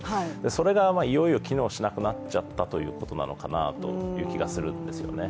それがいよいよ機能しなくなっちゃったということなのかなという気がするんですよね。